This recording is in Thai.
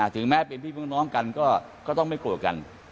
ถึงแม้เป็นพี่พึ่งน้องกันก็ต้องไม่โกรธกัน